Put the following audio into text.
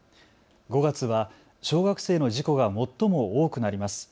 ５月は小学生の事故が最も多くなります。